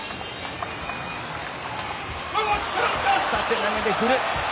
下手投げで振る。